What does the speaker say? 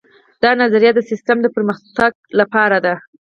دا نظریې د سیسټم د پرمختګ لپاره دي.